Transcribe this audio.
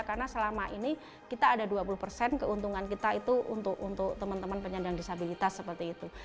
karena selama ini kita ada dua puluh persen keuntungan kita itu untuk teman teman penyandang disabilitas seperti itu